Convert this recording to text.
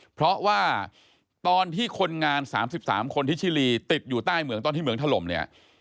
เพราะว่าตอนที่คนงาน๓๓คนที่ชิลีติดอยู่ใต้เหมืองตอนที่เหมืองถล่มเนี่ย